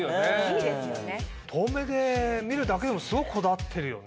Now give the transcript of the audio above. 遠目で見るだけでもすごくこだわってるよ